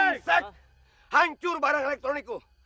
reset hancur barang elektroniku